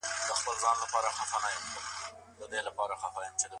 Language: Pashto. د موټر چلونکي پر تندي مړې خولې راماتې شوې.